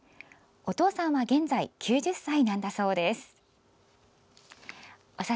お父さんは現在９０歳なんだそうです。